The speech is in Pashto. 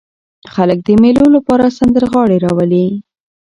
خلک د مېلو له پاره سندرغاړي راولي.